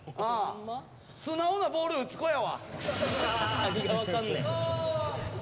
素直なボールを打つ子やわ。